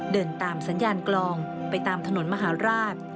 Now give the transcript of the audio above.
เดินตามสัญญาณกลองไปตามถนนมหาราช